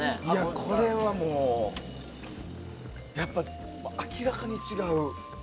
これはもう、やっぱり明らかに違う。